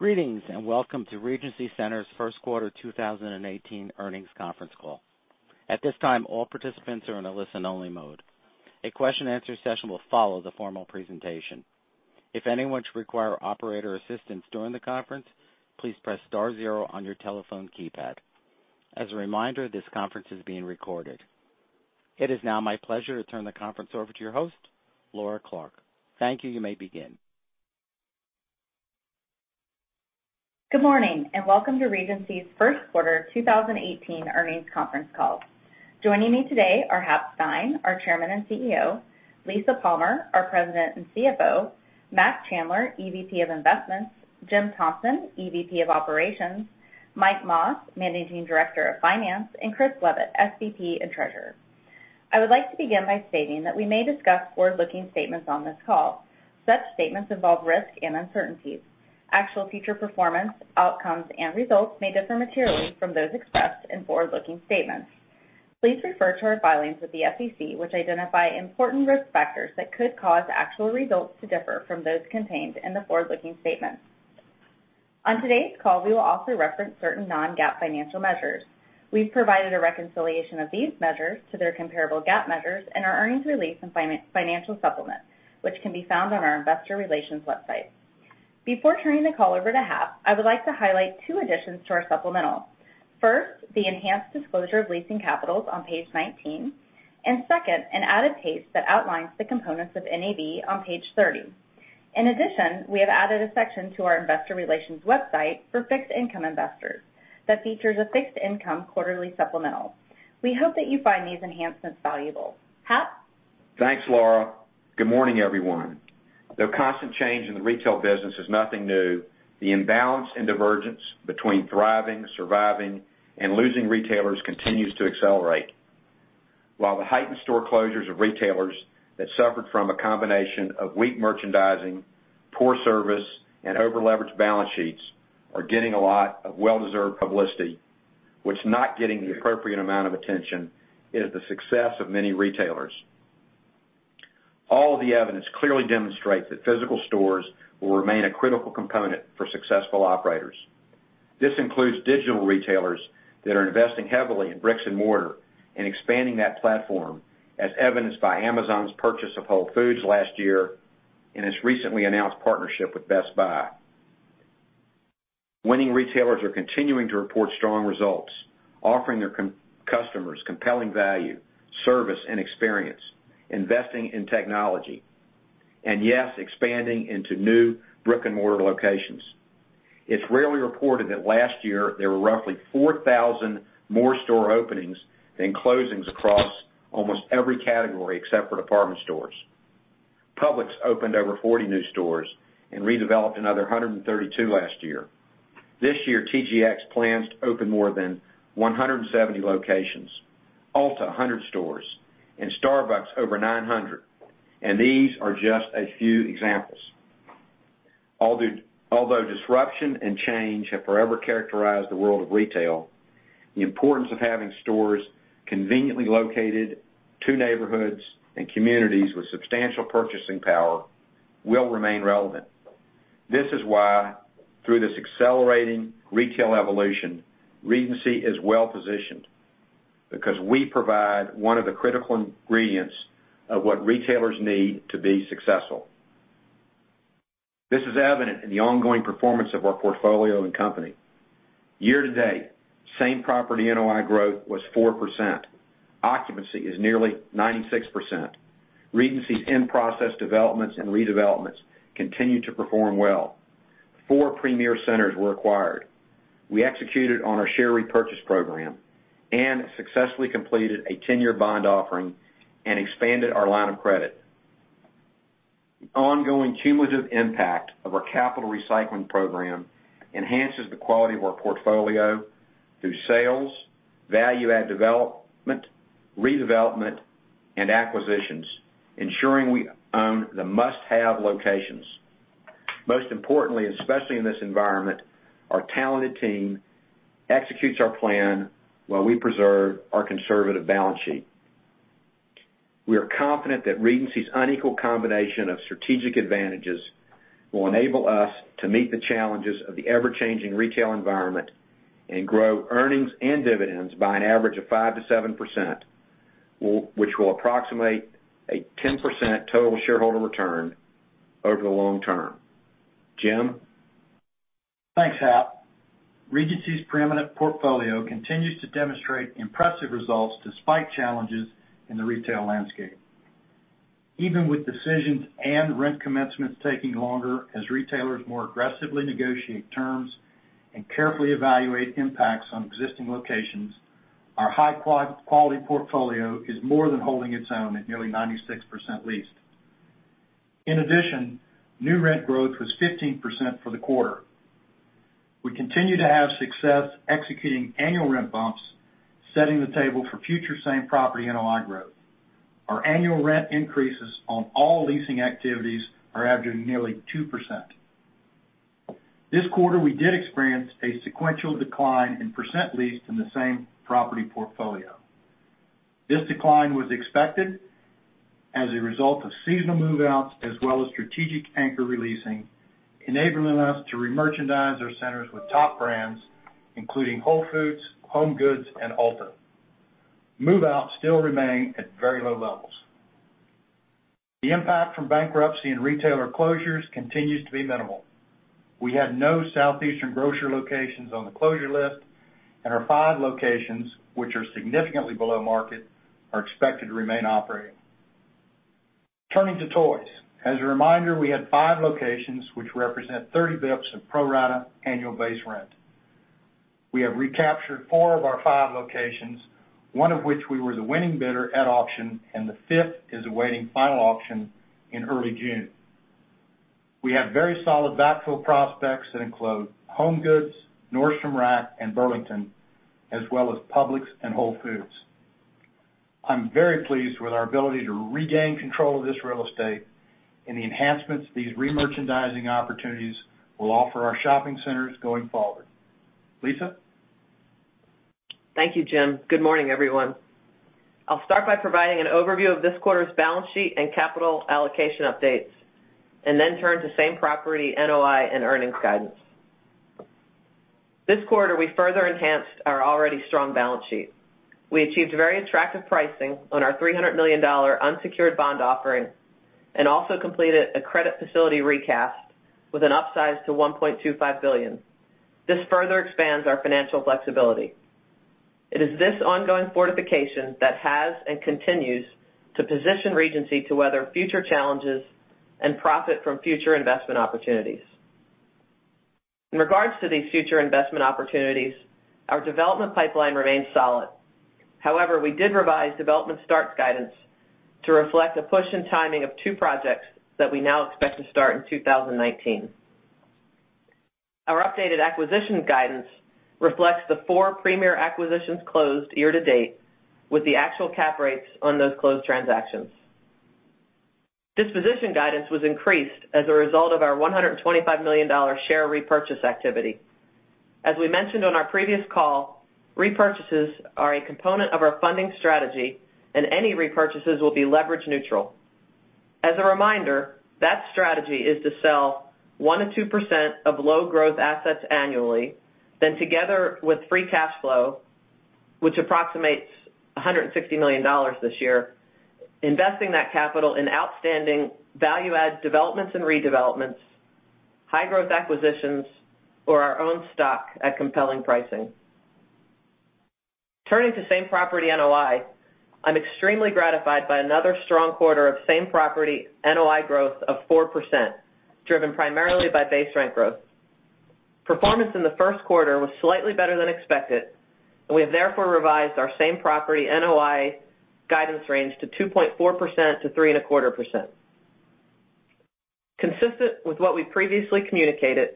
Greetings, and welcome to Regency Centers' first quarter 2018 earnings conference call. At this time, all participants are in a listen-only mode. A question and answer session will follow the formal presentation. If anyone should require operator assistance during the conference, please press star zero on your telephone keypad. As a reminder, this conference is being recorded. It is now my pleasure to turn the conference over to your host, Laura Clark. Thank you. You may begin. Good morning, and welcome to Regency's first quarter 2018 earnings conference call. Joining me today are Hap Stein, our Chairman and CEO; Lisa Palmer, our President and CFO; Mac Chandler, EVP of Investments; Jim Thompson, EVP of Operations; Michael Mas, Managing Director of Finance; and Chris Leavitt, SVP and Treasurer. I would like to begin by stating that we may discuss forward-looking statements on this call. Such statements involve risks and uncertainties. Actual future performance, outcomes, and results may differ materially from those expressed in forward-looking statements. Please refer to our filings with the SEC, which identify important risk factors that could cause actual results to differ from those contained in the forward-looking statements. On today's call, we will also reference certain non-GAAP financial measures. We've provided a reconciliation of these measures to their comparable GAAP measures in our earnings release and financial supplement, which can be found on our investor relations website. Before turning the call over to Hap, I would like to highlight two additions to our supplemental. First, the enhanced disclosure of leasing capitals on page 19, and second, an added page that outlines the components of NAV on page 30. In addition, we have added a section to our investor relations website for fixed income investors that features a fixed income quarterly supplemental. We hope that you find these enhancements valuable. Hap? Thanks, Laura. Good morning, everyone. Though constant change in the retail business is nothing new, the imbalance and divergence between thriving, surviving, and losing retailers continues to accelerate. While the heightened store closures of retailers that suffered from a combination of weak merchandising, poor service, and over-leveraged balance sheets are getting a lot of well-deserved publicity, what's not getting the appropriate amount of attention is the success of many retailers. All the evidence clearly demonstrates that physical stores will remain a critical component for successful operators. This includes digital retailers that are investing heavily in bricks and mortar and expanding that platform, as evidenced by Amazon's purchase of Whole Foods last year and its recently announced partnership with Best Buy. Winning retailers are continuing to report strong results, offering their customers compelling value, service, and experience, investing in technology, and yes, expanding into new brick-and-mortar locations. It's rarely reported that last year there were roughly 4,000 more store openings than closings across almost every category, except for department stores. Publix opened over 40 new stores and redeveloped another 132 last year. This year, TJX plans to open more than 170 locations, Ulta 100 stores, and Starbucks over 900. These are just a few examples. Although disruption and change have forever characterized the world of retail, the importance of having stores conveniently located to neighborhoods and communities with substantial purchasing power will remain relevant. This is why, through this accelerating retail evolution, Regency is well-positioned, because we provide one of the critical ingredients of what retailers need to be successful. This is evident in the ongoing performance of our portfolio and company. Year-to-date, same property NOI growth was 4%. Occupancy is nearly 96%. Regency's in-process developments and redevelopments continue to perform well. Four premier centers were acquired. We executed on our share repurchase program and successfully completed a 10-year bond offering and expanded our line of credit. The ongoing cumulative impact of our capital recycling program enhances the quality of our portfolio through sales, value add development, redevelopment, and acquisitions, ensuring we own the must-have locations. Most importantly, especially in this environment, our talented team executes our plan while we preserve our conservative balance sheet. We are confident that Regency's unequal combination of strategic advantages will enable us to meet the challenges of the ever-changing retail environment and grow earnings and dividends by an average of 5%-7%, which will approximate a 10% total shareholder return over the long term. Jim? Thanks, Hap. Regency's preeminent portfolio continues to demonstrate impressive results despite challenges in the retail landscape. Even with decisions and rent commencements taking longer as retailers more aggressively negotiate terms and carefully evaluate impacts on existing locations, our high-quality portfolio is more than holding its own at nearly 96% leased. In addition, new rent growth was 15% for the quarter. We continue to have success executing annual rent bumps, setting the table for future same property NOI growth. Our annual rent increases on all leasing activities are averaging nearly 2%. This quarter, we did experience a sequential decline in percent leased in the same property portfolio. This decline was expected as a result of seasonal move-outs as well as strategic anchor releasing, enabling us to remerchandise our centers with top brands, including Whole Foods, HomeGoods, and Ulta. Move-outs still remain at very low levels. The impact from bankruptcy and retailer closures continues to be minimal. We had no Southeastern Grocers locations on the closure list, and our five locations, which are significantly below market, are expected to remain operating. Turning to Toys. As a reminder, we had five locations which represent 30 basis points of pro rata annual base rent. We have recaptured four of our five locations, one of which we were the winning bidder at auction, and the fifth is awaiting final auction in early June. We have very solid backfill prospects that include HomeGoods, Nordstrom Rack, and Burlington, as well as Publix and Whole Foods. I'm very pleased with our ability to regain control of this real estate and the enhancements these remerchandising opportunities will offer our shopping centers going forward. Lisa? Thank you, Jim. Good morning, everyone. I'll start by providing an overview of this quarter's balance sheet and capital allocation updates and then turn to same-property NOI and earnings guidance. This quarter, we further enhanced our already strong balance sheet. We achieved very attractive pricing on our $300 million unsecured bond offering and also completed a credit facility recast with an upsize to $1.25 billion. This further expands our financial flexibility. It is this ongoing fortification that has and continues to position Regency to weather future challenges and profit from future investment opportunities. In regards to these future investment opportunities, our development pipeline remains solid. However, we did revise development starts guidance to reflect a push in timing of two projects that we now expect to start in 2019. Our updated acquisition guidance reflects the four premier acquisitions closed year to date with the actual cap rates on those closed transactions. Disposition guidance was increased as a result of our $125 million share repurchase activity. As we mentioned on our previous call, repurchases are a component of our funding strategy. Any repurchases will be leverage neutral. As a reminder, that strategy is to sell 1%-2% of low-growth assets annually, then together with free cash flow, which approximates $160 million this year, investing that capital in outstanding value-add developments and redevelopments, high-growth acquisitions or our own stock at compelling pricing. Turning to same-property NOI, I'm extremely gratified by another strong quarter of same-property NOI growth of 4%, driven primarily by base rent growth. Performance in the first quarter was slightly better than expected. We have therefore revised our same-property NOI guidance range to 2.4%-3.25%. Consistent with what we previously communicated,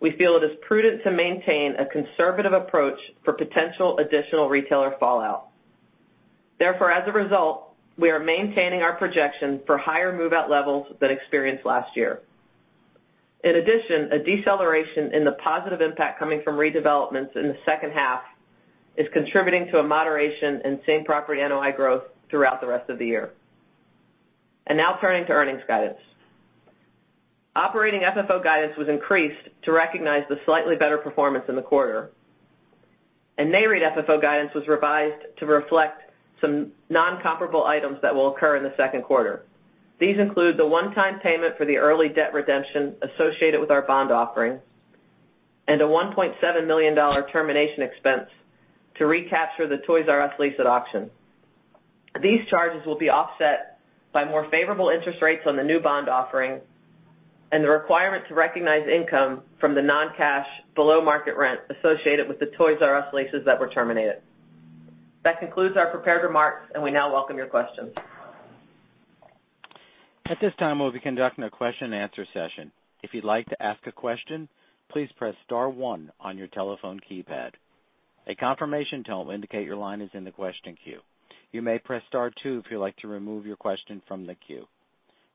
we feel it is prudent to maintain a conservative approach for potential additional retailer fallout. As a result, we are maintaining our projection for higher move-out levels than experienced last year. In addition, a deceleration in the positive impact coming from redevelopments in the second half is contributing to a moderation in same-property NOI growth throughout the rest of the year. Now turning to earnings guidance. Operating FFO guidance was increased to recognize the slightly better performance in the quarter. NAREIT FFO guidance was revised to reflect some non-comparable items that will occur in the second quarter. These include the one-time payment for the early debt redemption associated with our bond offering and a $1.7 million termination expense to recapture the Toys R Us lease at auction. These charges will be offset by more favorable interest rates on the new bond offering and the requirement to recognize income from the non-cash below-market rent associated with the Toys R Us leases that were terminated. That concludes our prepared remarks. We now welcome your questions. At this time, we'll be conducting a question and answer session. If you'd like to ask a question, please press star one on your telephone keypad. A confirmation tone will indicate your line is in the question queue. You may press star two if you'd like to remove your question from the queue.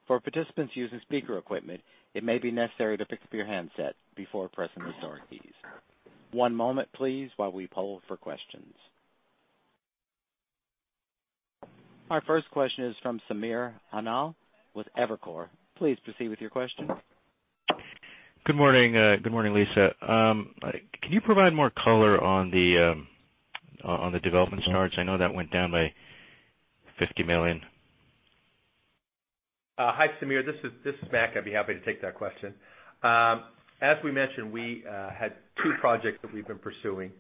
For participants using speaker equipment, it may be necessary to pick up your handset before pressing the star keys. One moment, please, while we poll for questions. Our first question is from Samir Khanal with Evercore ISI. Please proceed with your question. Good morning. Good morning, Lisa. Can you provide more color on the development starts? I know that went down by $50 million. Hi, Samir. This is Mac. I'd be happy to take that question. As we mentioned, we had two projects that we've been pursuing.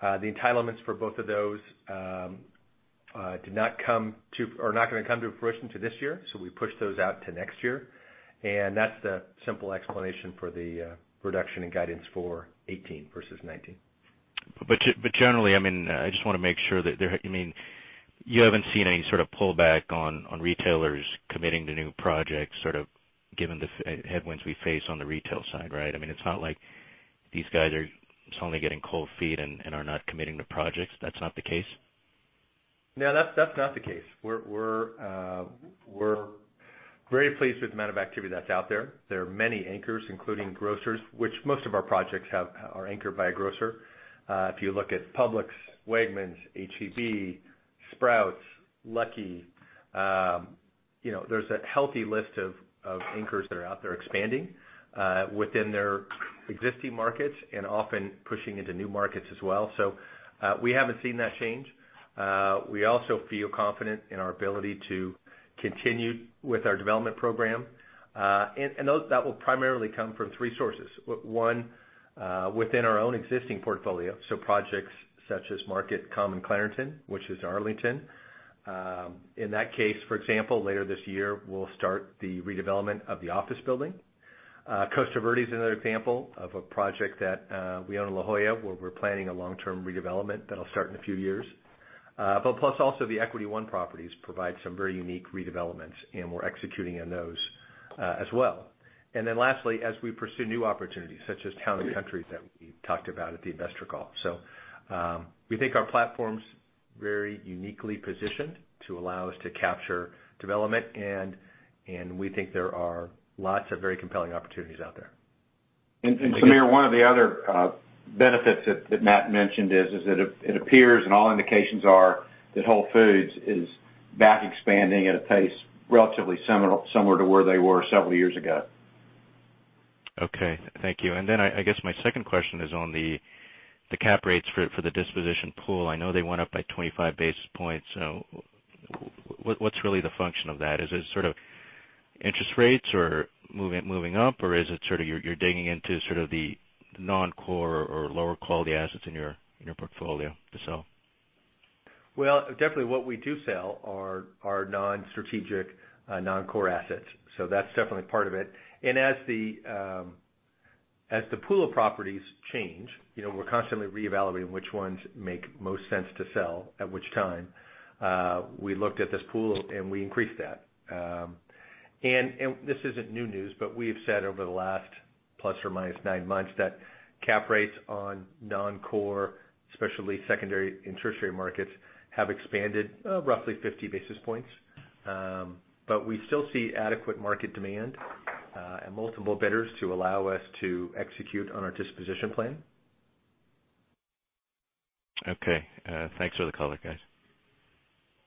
The entitlements for both of those are not going to come to fruition till this year, so we pushed those out to next year. That's the simple explanation for the reduction in guidance for 2018 versus 2019. Generally, I just want to make sure that you haven't seen any sort of pullback on retailers committing to new projects, sort of given the headwinds we face on the retail side, right? It's not like these guys are suddenly getting cold feet and are not committing to projects. That's not the case? No, that's not the case. We're Very pleased with the amount of activity that's out there. There are many anchors, including grocers, which most of our projects are anchored by a grocer. If you look at Publix, Wegmans, H-E-B, Sprouts, Lucky, there's a healthy list of anchors that are out there expanding within their existing markets and often pushing into new markets as well. We haven't seen that change. We also feel confident in our ability to continue with our development program. That will primarily come from three sources. One, within our own existing portfolio, so projects such as Market Common Clarendon, which is Arlington. In that case, for example, later this year, we'll start the redevelopment of the office building. Costa Verde is another example of a project that we own in La Jolla, where we're planning a long-term redevelopment that'll start in a few years. Plus also the Equity One properties provide some very unique redevelopments, and we're executing on those as well. Lastly, as we pursue new opportunities, such as Town and Country that we talked about at the investor call. We think our platform's very uniquely positioned to allow us to capture development and we think there are lots of very compelling opportunities out there. Samir, one of the other benefits that Mac mentioned is it appears and all indications are that Whole Foods is back expanding at a pace relatively similar to where they were several years ago. Okay. Thank you. I guess my second question is on the cap rates for the disposition pool. I know they went up by 25 basis points. What's really the function of that? Is it interest rates or moving up? Is it you're digging into the non-core or lower-quality assets in your portfolio to sell? Well, definitely what we do sell are non-strategic, non-core assets. That's definitely part of it. As the pool of properties change, we're constantly reevaluating which ones make most sense to sell at which time. We looked at this pool, we increased that. This isn't new news, we have said over the last plus or minus nine months that cap rates on non-core, especially secondary and tertiary markets, have expanded roughly 50 basis points. We still see adequate market demand, and multiple bidders to allow us to execute on our disposition plan. Okay. Thanks for the color, guys.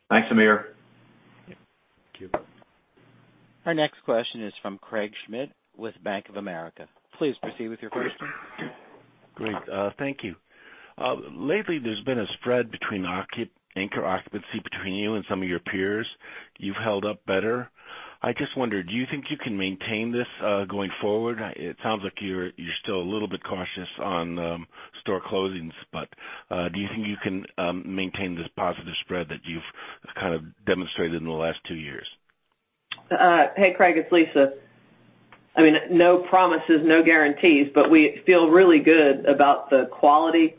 Thanks, Samir. Thank you. Our next question is from Craig Schmidt with Bank of America. Please proceed with your question. Great. Thank you. Lately, there's been a spread between anchor occupancy between you and some of your peers. You've held up better. I just wonder, do you think you can maintain this going forward? It sounds like you're still a little bit cautious on store closings, but, do you think you can maintain this positive spread that you've kind of demonstrated in the last two years? Hey, Craig, it's Lisa. No promises, no guarantees, but we feel really good about the quality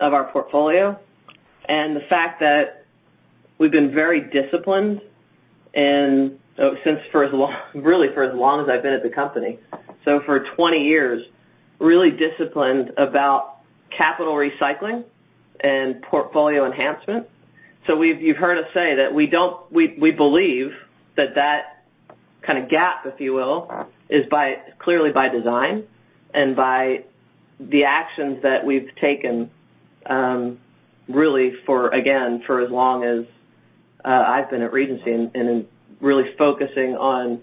of our portfolio and the fact that we've been very disciplined and since for as long, really for as long as I've been at the company. For 20 years, really disciplined about capital recycling and portfolio enhancement. You've heard us say that we believe that that kind of gap, if you will, is clearly by design and by the actions that we've taken, really for, again, for as long as I've been at Regency and in really focusing on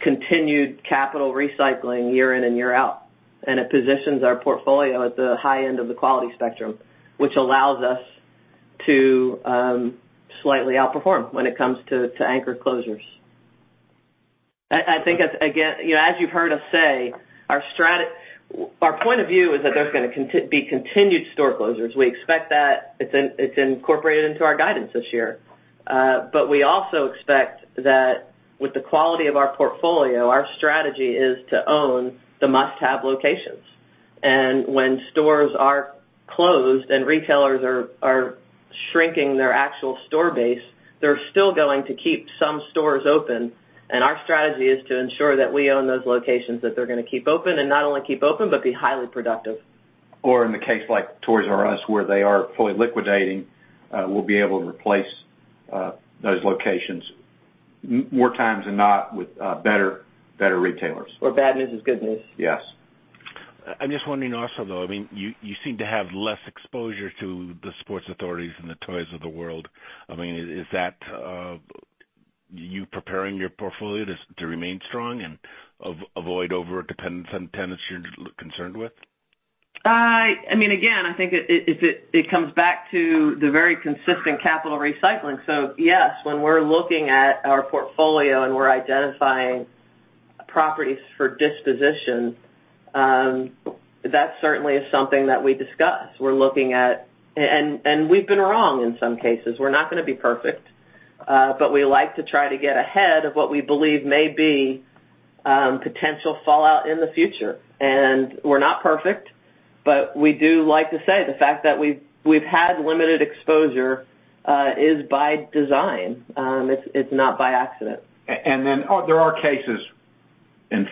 continued capital recycling year in and year out. It positions our portfolio at the high end of the quality spectrum, which allows us to slightly outperform when it comes to anchor closures. I think as, again, as you've heard us say, our point of view is that there's gonna be continued store closures. We expect that. It's incorporated into our guidance this year. We also expect that with the quality of our portfolio, our strategy is to own the must-have locations. When stores are closed and retailers are shrinking their actual store base, they're still going to keep some stores open, and our strategy is to ensure that we own those locations that they're gonna keep open, and not only keep open, but be highly productive. In the case like Toys R Us, where they are fully liquidating, we'll be able to replace those locations more times than not with better retailers. Where bad news is good news. Yes. I'm just wondering also, though, you seem to have less exposure to the Sports Authorities and the Toys of the world. Is that you preparing your portfolio to remain strong and avoid over-dependence on tenants you're concerned with? I think it comes back to the very consistent capital recycling. Yes, when we're looking at our portfolio and we're identifying properties for disposition, that certainly is something that we discuss. We're looking at. We've been wrong in some cases. We're not gonna be perfect. We like to try to get ahead of what we believe may be potential fallout in the future. We're not perfect, but we do like to say the fact that we've had limited exposure is by design. It's not by accident. Then there are cases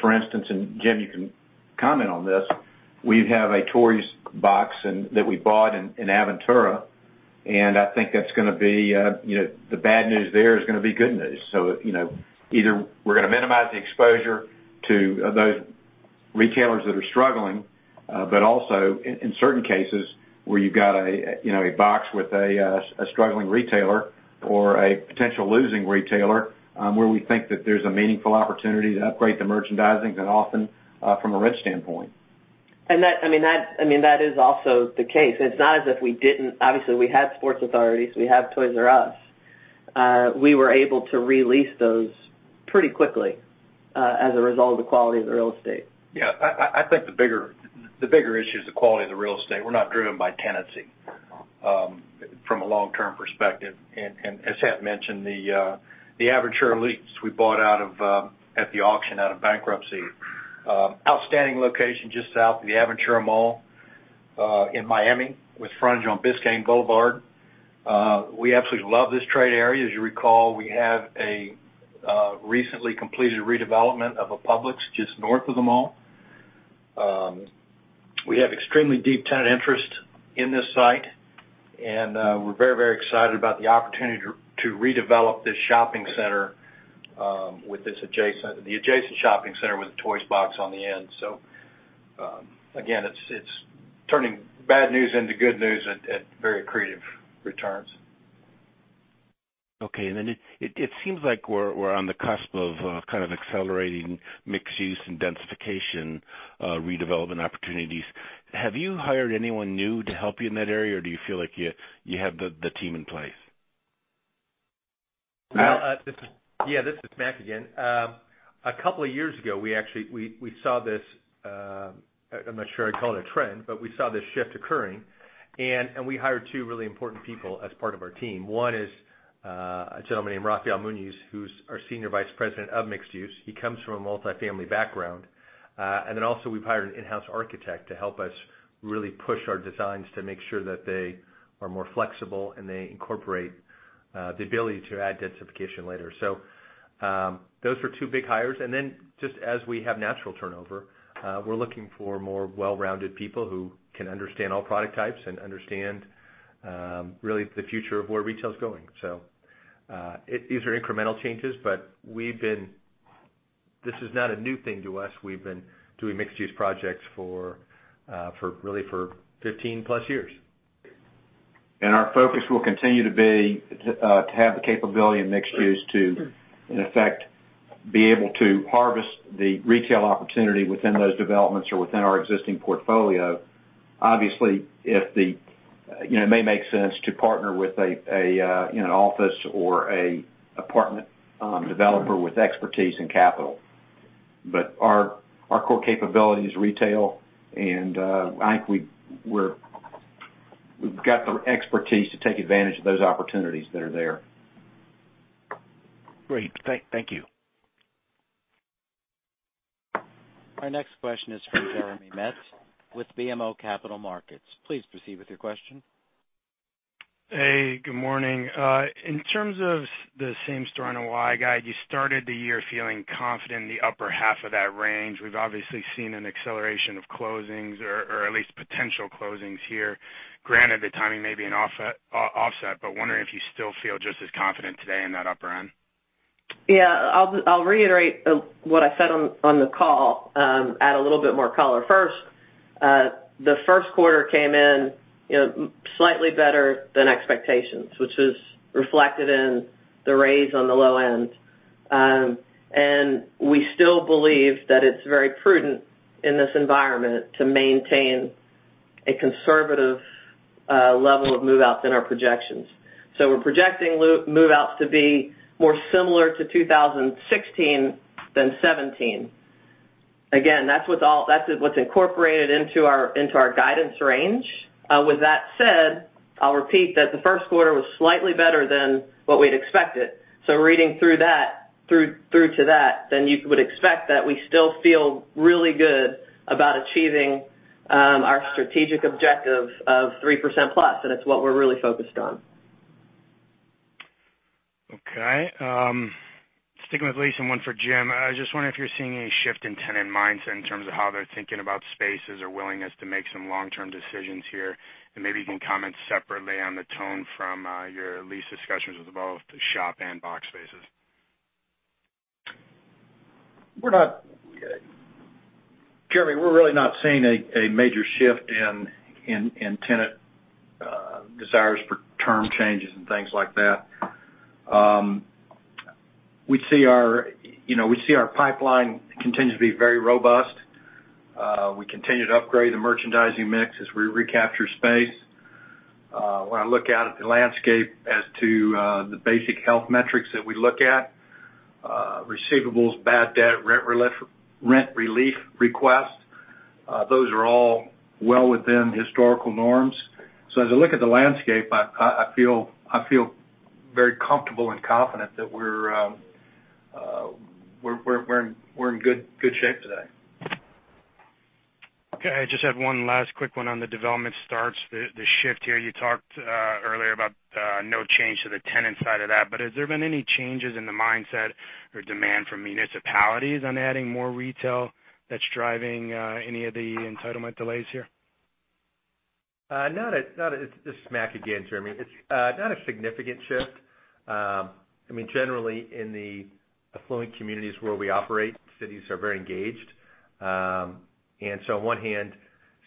for instance, Jim Thompson, you can comment on this, we have a Toys box that we bought in Aventura, and I think the bad news there is going to be good news. Either we're going to minimize the exposure to those retailers that are struggling. Also, in certain cases where you've got a box with a struggling retailer or a potential losing retailer, where we think that there's a meaningful opportunity to upgrade the merchandising and often from a rent standpoint. That is also the case. It's not as if we didn't. Obviously, we had Sports Authority, we have Toys R Us. We were able to re-lease those pretty quickly, as a result of the quality of the real estate. I think the bigger issue is the quality of the real estate. We're not driven by tenancy from a long-term perspective. As Mac Chandler mentioned, the Aventura lease we bought out at the auction out of bankruptcy. Outstanding location just south of the Aventura Mall, in Miami, with frontage on Biscayne Boulevard. We absolutely love this trade area. As you recall, we have a recently completed redevelopment of a Publix just north of the mall. We have extremely deep tenant interest in this site, and we're very excited about the opportunity to redevelop this shopping center with the adjacent shopping center with the Toys box on the end. Again, it's turning bad news into good news at very accretive returns. Okay. It seems like we're on the cusp of kind of accelerating mixed-use and densification redevelopment opportunities. Have you hired anyone new to help you in that area, or do you feel like you have the team in place? Mac? Yeah, this is Mac again. A couple of years ago, we saw this, I'm not sure I'd call it a trend, but we saw this shift occurring, and we hired two really important people as part of our team. One is a gentleman named Rafael Muñiz, who's our Senior Vice President of Mixed Use. He comes from a multifamily background. Also, we've hired an in-house architect to help us really push our designs to make sure that they are more flexible and they incorporate the ability to add densification later. Those were two big hires. Just as we have natural turnover, we're looking for more well-rounded people who can understand all product types and understand really the future of where retail's going. These are incremental changes, but this is not a new thing to us. We've been doing mixed-use projects really for 15-plus years. Our focus will continue to be to have the capability in mixed use to, in effect, be able to harvest the retail opportunity within those developments or within our existing portfolio. Obviously, it may make sense to partner with an office or an apartment developer with expertise and capital. Our core capability is retail, and I think we've got the expertise to take advantage of those opportunities that are there. Great. Thank you. Our next question is from Jeremy Metz with BMO Capital Markets. Please proceed with your question. Hey, good morning. In terms of the same store NOI guide, you started the year feeling confident in the upper half of that range. We've obviously seen an acceleration of closings or at least potential closings here, granted the timing may be an offset, wondering if you still feel just as confident today in that upper end. Yeah. I'll reiterate what I said on the call, add a little bit more color. First, the first quarter came in slightly better than expectations, which was reflected in the raise on the low end. We still believe that it's very prudent in this environment to maintain a conservative level of move-outs in our projections. We're projecting move-outs to be more similar to 2016 than 2017. Again, that's what's incorporated into our guidance range. With that said, I'll repeat that the first quarter was slightly better than what we'd expected. Reading through to that, then you would expect that we still feel really good about achieving our strategic objective of 3% plus, and it's what we're really focused on. Okay. Sticking with lease and one for Jim, I just wonder if you're seeing any shift in tenant mindset in terms of how they're thinking about spaces or willingness to make some long-term decisions here. Maybe you can comment separately on the tone from your lease discussions with both shop and box spaces. Jeremy, we're really not seeing a major shift in tenant desires for term changes and things like that. We see our pipeline continue to be very robust. We continue to upgrade the merchandising mix as we recapture space. When I look out at the landscape as to the basic health metrics that we look at, receivables, bad debt, rent relief requests, those are all well within historical norms. As I look at the landscape, I feel very comfortable and confident that we're in good shape today. Okay. I just have one last quick one on the development starts, the shift here. You talked earlier about no change to the tenant side of that, has there been any changes in the mindset or demand from municipalities on adding more retail that's driving any of the entitlement delays here? This is Mac again, Jeremy. It's not a significant shift. Generally, in the affluent communities where we operate, cities are very engaged. On one hand,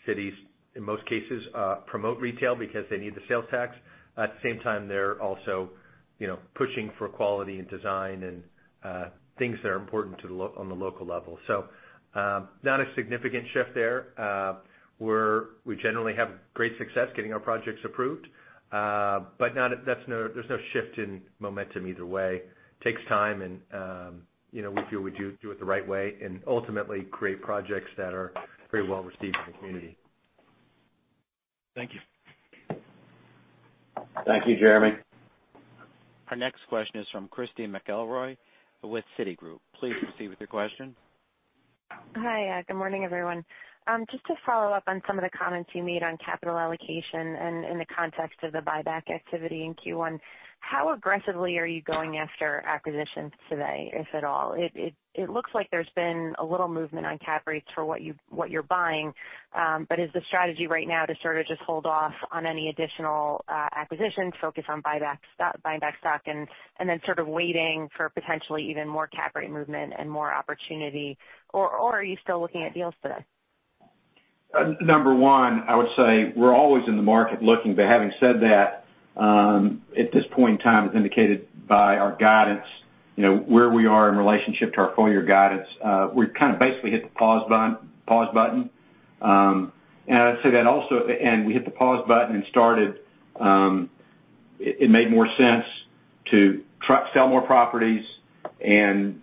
cities, in most cases, promote retail because they need the sales tax. At the same time, they're also pushing for quality and design and things that are important on the local level. Not a significant shift there. We generally have great success getting our projects approved. There's no shift in momentum either way. Takes time, we feel we do it the right way and ultimately create projects that are very well-received in the community. Thank you. Thank you, Jeremy. Our next question is from Christy McElroy with Citigroup. Please proceed with your question. Hi. Good morning, everyone. Just to follow up on some of the comments you made on capital allocation and in the context of the buyback activity in Q1, how aggressively are you going after acquisitions today, if at all? It looks like there's been a little movement on cap rates for what you're buying. Is the strategy right now to sort of just hold off on any additional acquisitions, focus on buying back stock, and then sort of waiting for potentially even more cap rate movement and more opportunity? Are you still looking at deals today? Number one, I would say we're always in the market looking. Having said that, at this point in time, as indicated by our guidance, where we are in relationship to our full-year guidance, we've kind of basically hit the pause button. We hit the pause button. It made more sense to sell more properties and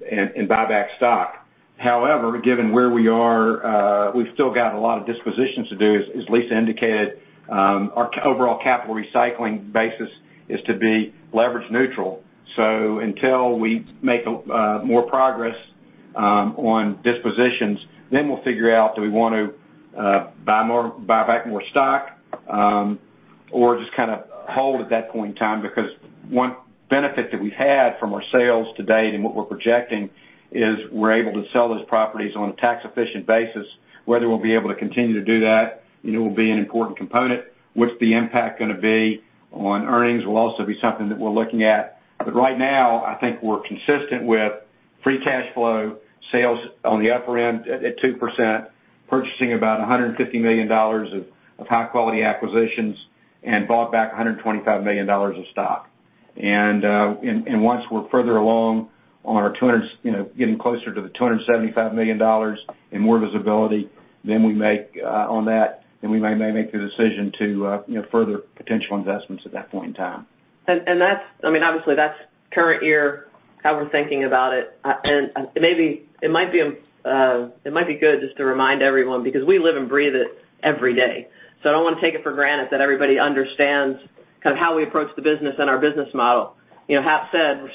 buy back stock. However, given where we are, we've still got a lot of dispositions to do. As Lisa indicated, our overall capital recycling basis is to be leverage-neutral. Until we make more progress on dispositions, we'll figure out, do we want to buy back more stock or just kind of hold at that point in time? Because one benefit that we've had from our sales to date and what we're projecting is we're able to sell those properties on a tax-efficient basis. Whether we'll be able to continue to do that will be an important component. What's the impact going to be on earnings will also be something that we're looking at. Right now, I think we're consistent with free cash flow, sales on the upper end at 2%, purchasing about $150 million of high-quality acquisitions, and bought back $125 million of stock. Once we're further along on getting closer to the $275 million and more visibility on that, we may make the decision to further potential investments at that point in time. Obviously, that's current year, how we're thinking about it. It might be good just to remind everyone, because we live and breathe it every day, so I don't want to take it for granted that everybody understands how we approach the business and our business model. Hap said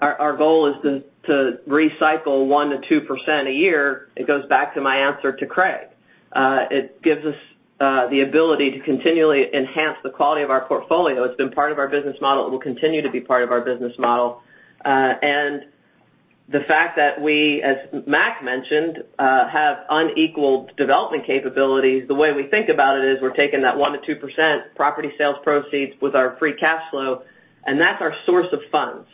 our goal is to recycle 1% to 2% a year. It goes back to my answer to Craig. It gives us the ability to continually enhance the quality of our portfolio. It's been part of our business model. It will continue to be part of our business model. The fact that we, as Mac mentioned, have unequal development capabilities, the way we think about it is we're taking that 1% to 2% property sales proceeds with our free cash flow, and that's our source of funds.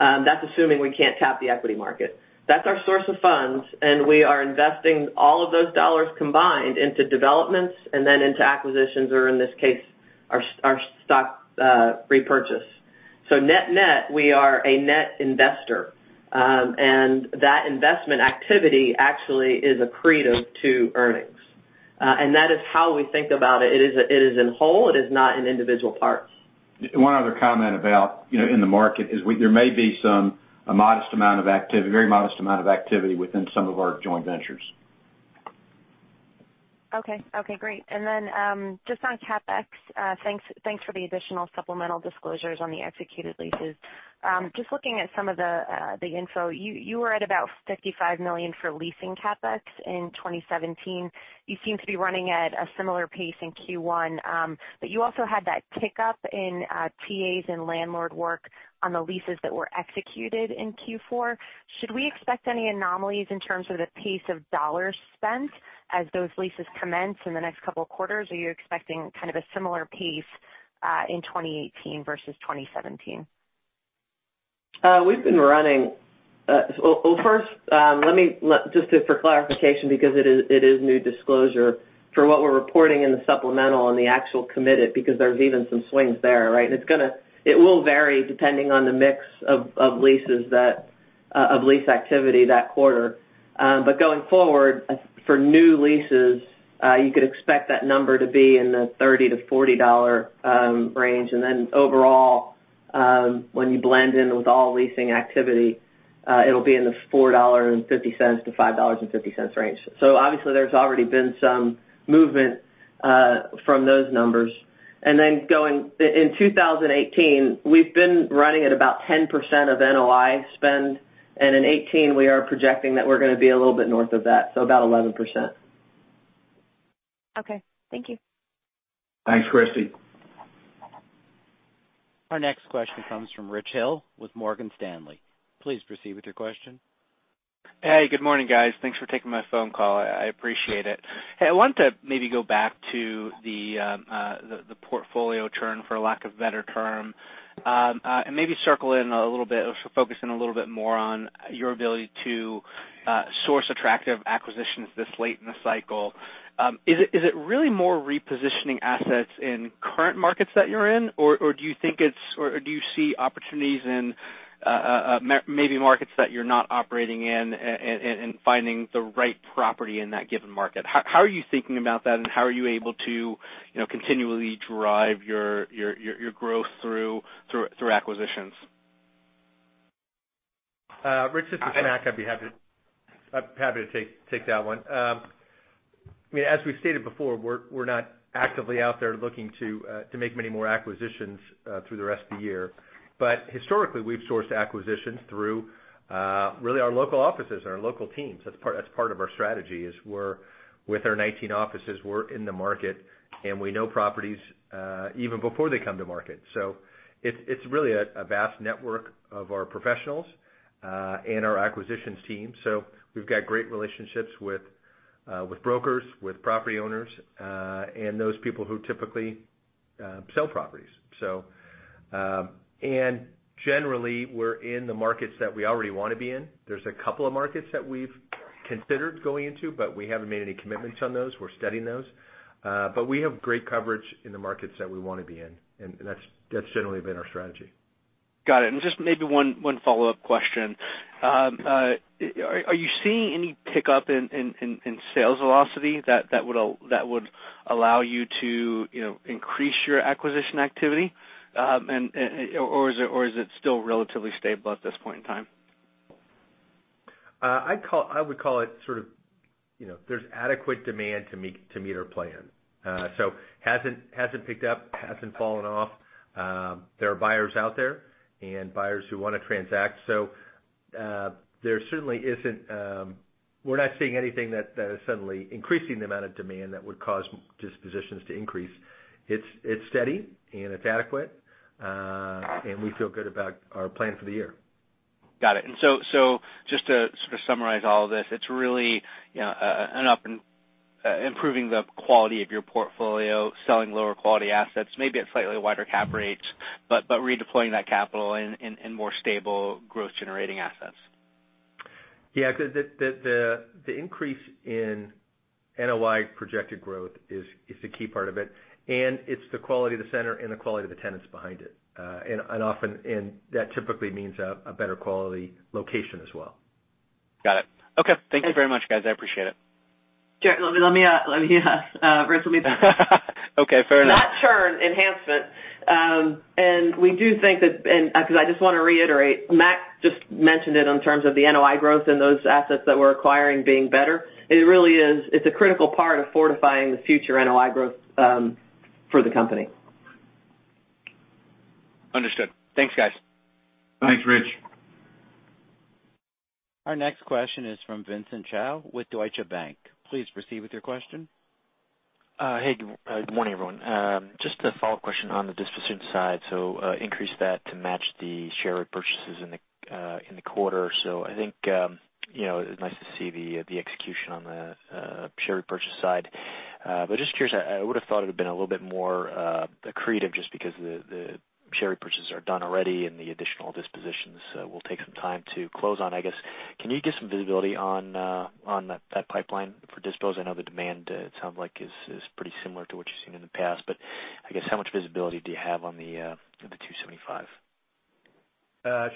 That's assuming we can't tap the equity market. That's our source of funds, we are investing all of those dollars combined into developments and then into acquisitions, or in this case, our stock repurchase. Net-net, we are a net investor. That investment activity actually is accretive to earnings. That is how we think about it. It is in whole, it is not in individual parts. One other comment about in the market is there may be a very modest amount of activity within some of our joint ventures. Okay. Great. Just on CapEx, thanks for the additional supplemental disclosures on the executed leases. Just looking at some of the info, you were at about $55 million for leasing CapEx in 2017. You seem to be running at a similar pace in Q1. You also had that tick-up in TAs and landlord work on the leases that were executed in Q4. Should we expect any anomalies in terms of the pace of dollars spent as those leases commence in the next couple of quarters, or are you expecting kind of a similar pace in 2018 versus 2017? Well, first, just for clarification, because it is new disclosure, for what we're reporting in the supplemental and the actual committed, because there's even some swings there, right? It will vary depending on the mix of lease activity that quarter. Going forward, for new leases, you could expect that number to be in the $30-$40 range. Overall, when you blend in with all leasing activity, it'll be in the $4.50-$5.50 range. Obviously, there's already been some movement from those numbers. In 2018, we've been running at about 10% of NOI spend, and in 2018, we are projecting that we're going to be a little bit north of that, so about 11%. Okay. Thank you. Thanks, Christy. Our next question comes from Richard Hill with Morgan Stanley. Please proceed with your question. Hey, good morning, guys. Thanks for taking my phone call. I appreciate it. Hey, I wanted to maybe go back to the portfolio churn, for lack of a better term, and maybe focus in a little bit more on your ability to source attractive acquisitions this late in the cycle. Is it really more repositioning assets in current markets that you're in? Do you see opportunities in maybe markets that you're not operating in and finding the right property in that given market? How are you thinking about that, and how are you able to continually drive your growth through acquisitions? Rich, this is Mac. I'd be happy to take that one. As we've stated before, we're not actively out there looking to make many more acquisitions through the rest of the year. Historically, we've sourced acquisitions through really our local offices and our local teams. That's part of our strategy is with our 19 offices, we're in the market, and we know properties even before they come to market. It's really a vast network of our professionals and our acquisitions team. We've got great relationships with brokers, with property owners, and those people who typically sell properties. Generally, we're in the markets that we already want to be in. There's a couple of markets that we've considered going into, but we haven't made any commitments on those. We're studying those. We have great coverage in the markets that we want to be in, and that's generally been our strategy. Got it. Just maybe one follow-up question. Are you seeing any pickup in sales velocity that would allow you to increase your acquisition activity? Or is it still relatively stable at this point in time? I would call it, there's adequate demand to meet our plan. Hasn't picked up, hasn't fallen off. There are buyers out there and buyers who want to transact. We're not seeing anything that is suddenly increasing the amount of demand that would cause dispositions to increase. It's steady, and it's adequate. We feel good about our plan for the year. Got it. Just to sort of summarize all of this, it's really improving the quality of your portfolio, selling lower-quality assets, maybe at slightly wider cap rates, but redeploying that capital in more stable growth-generating assets. Yeah. The increase in NOI projected growth is the key part of it's the quality of the center and the quality of the tenants behind it. That typically means a better quality location as well. Got it. Okay. Thank you very much, guys. I appreciate it. Rich. Okay, fair enough. Not churn, enhancement. We do think that, and because I just want to reiterate, Mac just mentioned it in terms of the NOI growth and those assets that we're acquiring being better. It really is. It's a critical part of fortifying the future NOI growth for the company. Understood. Thanks, guys. Thanks, Rich. Our next question is from Vincent Chao with Deutsche Bank. Please proceed with your question. Hey, good morning, everyone. Just a follow-up question on the disposition side. Increase that to match the share repurchases in the quarter. I think it's nice to see the execution on the share repurchase side. Just curious, I would've thought it would've been a little bit more accretive just because the share repurchases are done already and the additional dispositions will take some time to close on, I guess. Can you give some visibility on that pipeline for dispos? I know the demand, it sounds like, is pretty similar to what you've seen in the past, but I guess, how much visibility do you have on the $275?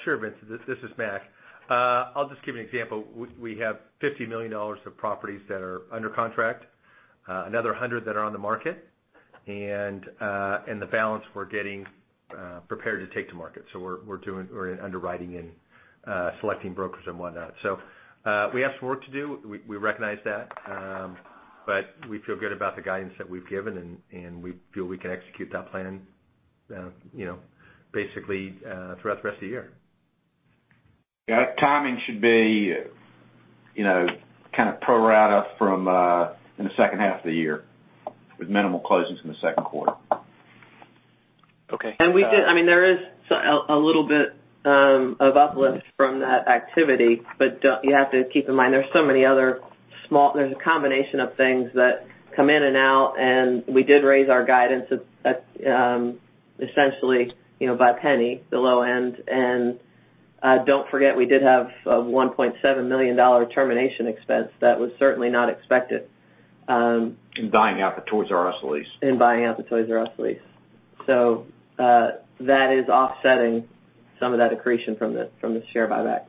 Sure, Vincent. This is Mac. I'll just give you an example. We have $50 million of properties that are under contract, another 100 that are on the market, and the balance we're getting prepared to take to market. We're in underwriting and selecting brokers and whatnot. We have some work to do. We recognize that. We feel good about the guidance that we've given, and we feel we can execute that plan basically throughout the rest of the year. Yeah. Timing should be kind of pro rata in the second half of the year, with minimal closings in the second quarter. Okay. There is a little bit of uplift from that activity, but you have to keep in mind, there's a combination of things that come in and out. We did raise our guidance essentially by $0.01, the low end. Don't forget, we did have a $1.7 million termination expense that was certainly not expected. In buying out the Toys R Us lease. In buying out the Toys R Us lease. That is offsetting some of that accretion from the share buyback.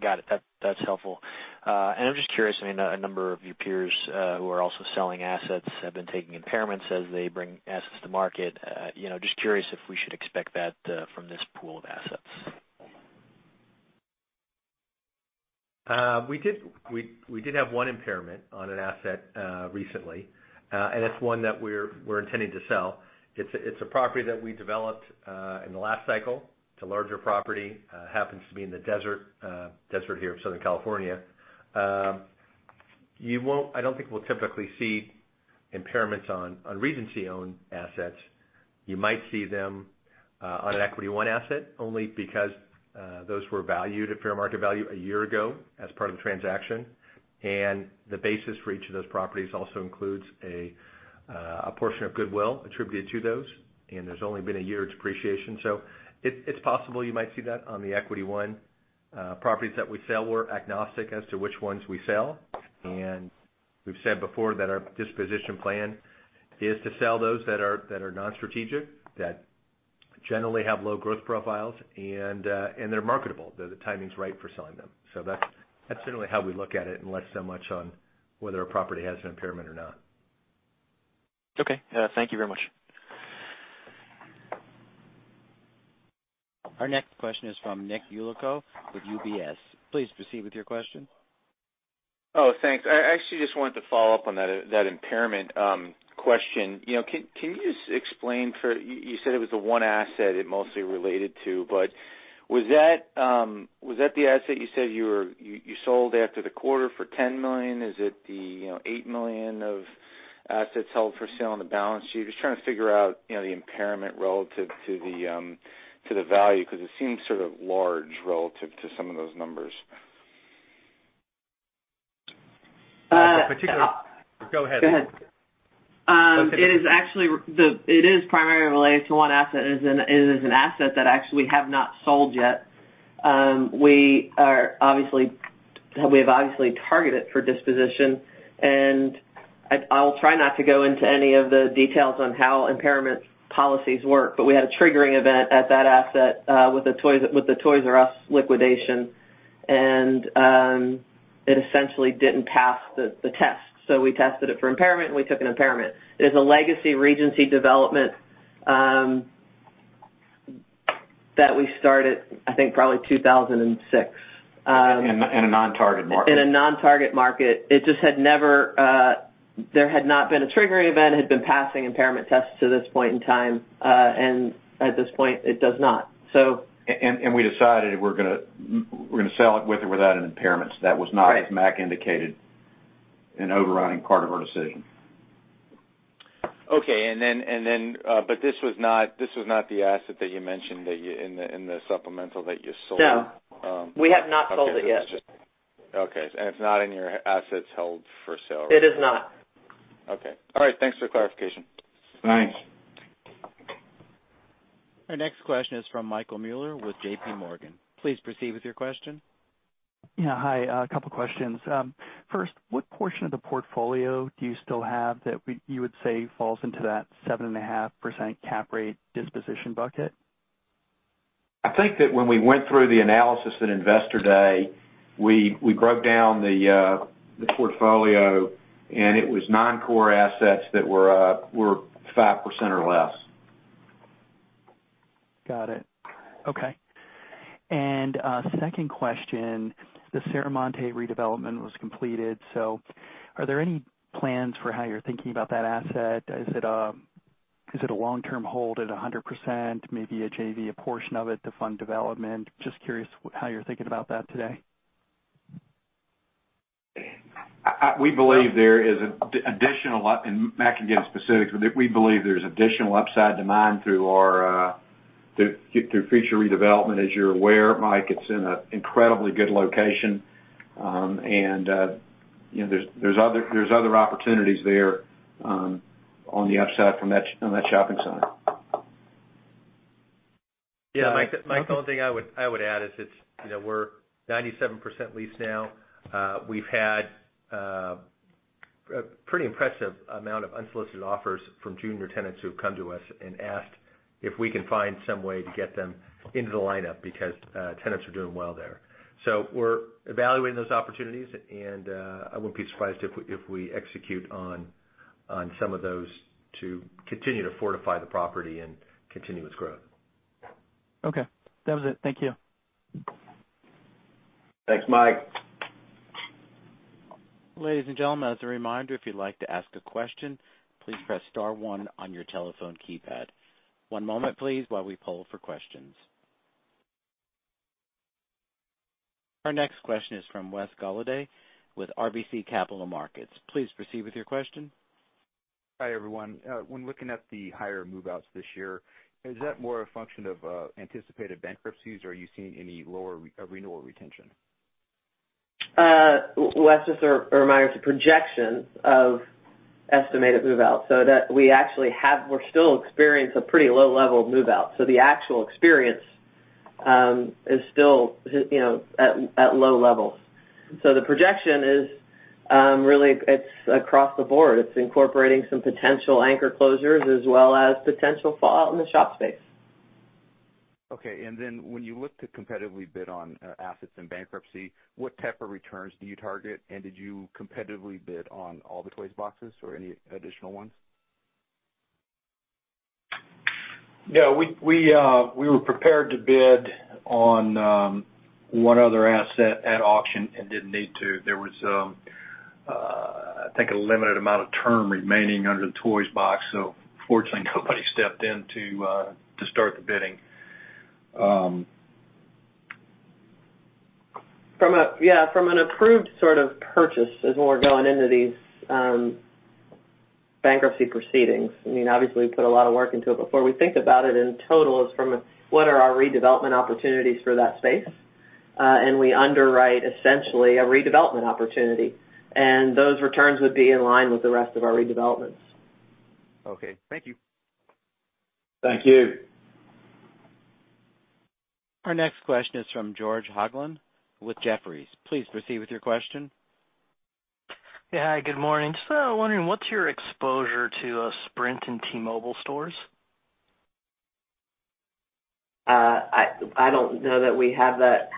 Got it. That's helpful. I'm just curious, a number of your peers who are also selling assets have been taking impairments as they bring assets to market. Just curious if we should expect that from this pool of assets. We did have one impairment on an asset recently, and it's one that we're intending to sell. It's a property that we developed in the last cycle. It's a larger property. Happens to be in the desert here of Southern California. I don't think we'll typically see impairments on Regency-owned assets. You might see them on an Equity One asset, only because those were valued at fair market value a year ago as part of the transaction, and the basis for each of those properties also includes a portion of goodwill attributed to those, and there's only been a year's depreciation. It's possible you might see that on the Equity One properties that we sell. We're agnostic as to which ones we sell, we've said before that our disposition plan is to sell those that are non-strategic, that generally have low growth profiles, they're marketable, the timing's right for selling them. That's generally how we look at it, less so much on whether a property has an impairment or not. Okay. Thank you very much. Our next question is from Nick Yulico with UBS. Please proceed with your question. Oh, thanks. I actually just wanted to follow up on that impairment question. Can you just explain for You said it was the one asset it mostly related to, was that the asset you said you sold after the quarter for $10 million? Is it the $8 million of assets held for sale on the balance sheet? Just trying to figure out the impairment relative to the value, because it seems sort of large relative to some of those numbers. The particular- Go ahead. Go ahead. It is primarily related to one asset. It is an asset that actually we have not sold yet. We have obviously targeted for disposition, I'll try not to go into any of the details on how impairment policies work. We had a triggering event at that asset, with the Toys R Us liquidation, and it essentially didn't pass the test. We tested it for impairment, and we took an impairment. It is a legacy Regency development, that we started, I think, probably 2006. In a non-target market. In a non-target market. There had not been a triggering event, had been passing impairment tests to this point in time. At this point it does not. We decided we're going to sell it with or without an impairment. Right. That was not, as Mac indicated, an overriding part of our decision. Okay. This was not the asset that you mentioned in the supplemental that you sold. No. We have not sold it yet. Okay. It's not in your assets held for sale. It is not. Okay. All right. Thanks for the clarification. Thanks. Our next question is from Michael Mueller with JPMorgan. Please proceed with your question. Yeah. Hi. A couple questions. First, what portion of the portfolio do you still have that you would say falls into that 7.5% cap rate disposition bucket? I think that when we went through the analysis at Investor Day, we broke down the portfolio. It was non-core assets that were 5% or less. Got it. Okay. Second question. The Serramonte redevelopment was completed. Are there any plans for how you're thinking about that asset? Is it a long-term hold at 100%, maybe a JV, a portion of it to fund development? Just curious how you're thinking about that today. We believe there is additional, and Mac can give specifics, but we believe there's additional upside to mine through future redevelopment. As you're aware, Mike, it's in a incredibly good location. There's other opportunities there, on the upside from that shopping center. Yeah, Mike, the only thing I would add is we're 97% leased now. We've had a pretty impressive amount of unsolicited offers from junior tenants who've come to us and asked if we can find some way to get them into the lineup because tenants are doing well there. We're evaluating those opportunities, and I wouldn't be surprised if we execute on some of those to continue to fortify the property and continue its growth. Okay. That was it. Thank you. Thanks, Mike. Ladies and gentlemen, as a reminder, if you'd like to ask a question, please press star one on your telephone keypad. One moment please, while we poll for questions. Our next question is from Wes Golladay with RBC Capital Markets. Please proceed with your question. Hi, everyone. When looking at the higher move-outs this year, is that more a function of anticipated bankruptcies, or are you seeing any lower renewal retention? Wes, just a reminder, it's a projection of estimated move-outs. We're still experiencing a pretty low level of move-outs. The actual experience is still at low levels. The projection is really across the board. It's incorporating some potential anchor closures as well as potential fallout in the shop space. Okay. When you look to competitively bid on assets in bankruptcy, what type of returns do you target? Did you competitively bid on all the Toys boxes or any additional ones? No, we were prepared to bid on one other asset at auction and didn't need to. There was, I think, a limited amount of term remaining under the Toys box. Fortunately, nobody stepped in to start the bidding. Yeah. From an approved sort of purchase, as when we're going into these bankruptcy proceedings, obviously, we put a lot of work into it before we think about it in total as from what are our redevelopment opportunities for that space. We underwrite essentially a redevelopment opportunity, and those returns would be in line with the rest of our redevelopments. Okay. Thank you. Thank you. Our next question is from George Hoglund with Jefferies. Please proceed with your question. Yeah. Hi, good morning. Just wondering, what's your exposure to Sprint and T-Mobile stores? I don't know that we have that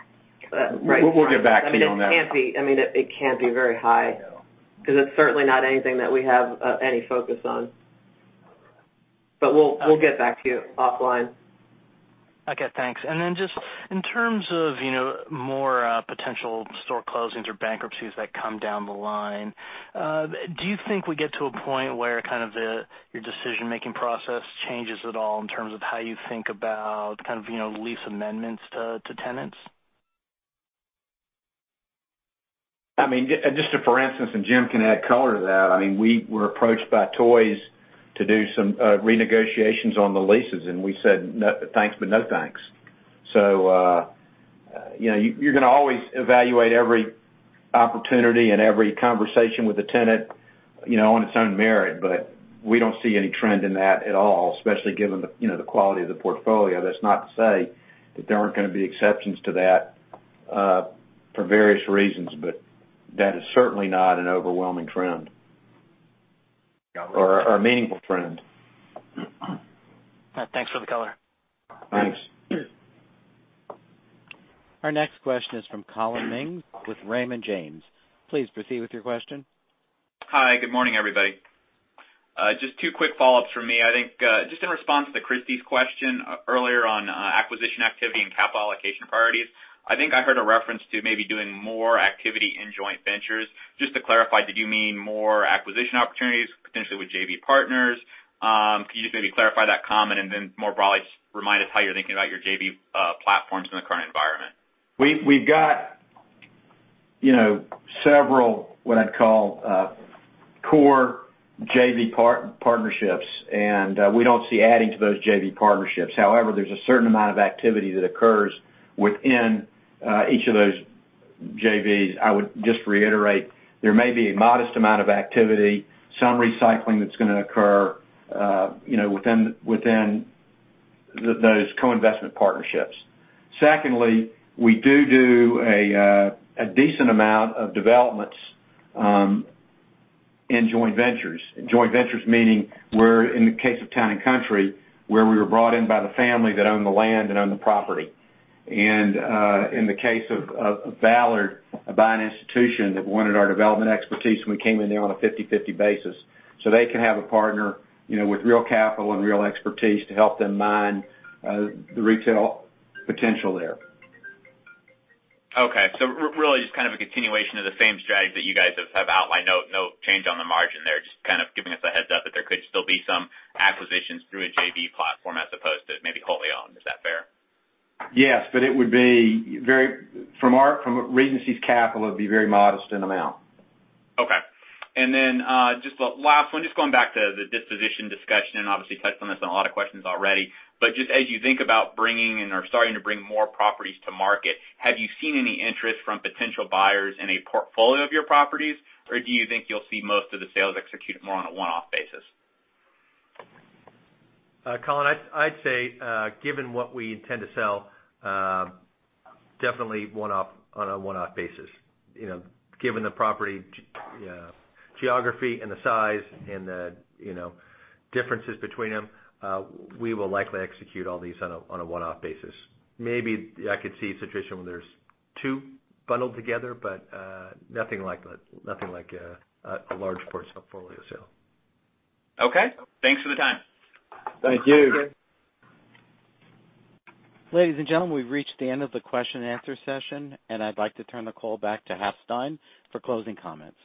right in front of me. We'll get back to you on that. It can't be very high, because it's certainly not anything that we have any focus on. We'll get back to you offline. Okay, thanks. Just in terms of more potential store closings or bankruptcies that come down the line, do you think we get to a point where kind of your decision-making process changes at all in terms of how you think about lease amendments to tenants? Just for instance, Jim can add color to that, we were approached by Toys to do some renegotiations on the leases, and we said, "Thanks, but no thanks." You're going to always evaluate every opportunity and every conversation with a tenant on its own merit, but we don't see any trend in that at all, especially given the quality of the portfolio. That's not to say that there aren't going to be exceptions to that for various reasons, but that is certainly not an overwhelming trend or a meaningful trend. Thanks for the color. Thanks. Our next question is from Collin Mings with Raymond James. Please proceed with your question. Hi. Good morning, everybody. Just two quick follow-ups from me. I think, just in response to Christy's question earlier on acquisition activity and capital allocation priorities. I think I heard a reference to maybe doing more activity in joint ventures. Just to clarify, did you mean more acquisition opportunities, potentially with JV partners? Could you just maybe clarify that comment, and then more broadly, just remind us how you're thinking about your JV platforms in the current environment. We've got several, what I'd call core JV partnerships, and we don't see adding to those JV partnerships. However, there's a certain amount of activity that occurs within each of those JVs. I would just reiterate, there may be a modest amount of activity, some recycling that's going to occur within those co-investment partnerships. Secondly, we do a decent amount of developments in joint ventures. Joint ventures meaning we're, in the case of Town and Country, where we were brought in by the family that owned the land and owned the property. In the case of Ballard, by an institution that wanted our development expertise, and we came in there on a 50/50 basis. They can have a partner with real capital and real expertise to help them mine the retail potential there. Okay. Really just kind of a continuation of the same strategy that you guys have outlined. No change on the margin there, just kind of giving us a heads-up that there could still be some acquisitions through a JV platform as opposed to maybe wholly owned. Is that fair? Yes, from Regency's capital, it'd be very modest in amount. Okay. Just the last one, just going back to the disposition discussion, and obviously touched on this in a lot of questions already, but just as you think about bringing and are starting to bring more properties to market, have you seen any interest from potential buyers in a portfolio of your properties, or do you think you'll see most of the sales executed more on a one-off basis? Collin, I'd say, given what we intend to sell, definitely on a one-off basis. Given the property geography and the size and the differences between them, we will likely execute all these on a one-off basis. Maybe I could see a situation where there's two bundled together, but nothing like a large portfolio sale. Okay. Thanks for the time. Thank you. Ladies and gentlemen, we've reached the end of the question and answer session, and I'd like to turn the call back to Hap Stein for closing comments.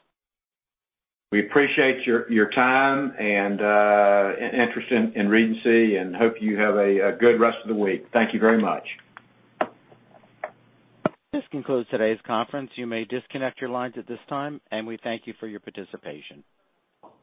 We appreciate your time and interest in Regency and hope you have a good rest of the week. Thank you very much. This concludes today's conference. You may disconnect your lines at this time, and we thank you for your participation.